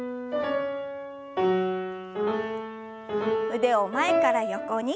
腕を前から横に。